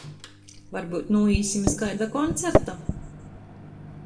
Varbyut nūīsim iz kaida koncerta?